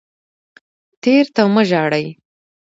تیر ته مه ژاړئ